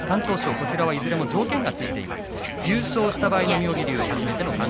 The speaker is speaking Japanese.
こちらはいずれも条件がついています。